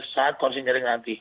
saat konsen jaring nanti